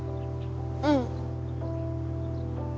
うん。